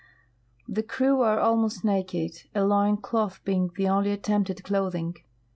The crew are almost naked, a loin cloth being the only attempt at clothing.